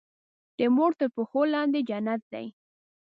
د مور تر پښو لاندې جنت دی.